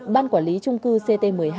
ban quản lý trung cư ct một mươi hai